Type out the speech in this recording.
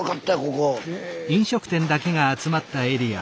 ここ。